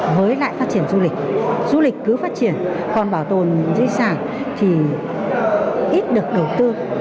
với lại phát triển du lịch du lịch cứ phát triển còn bảo tồn di sản thì ít được đầu tư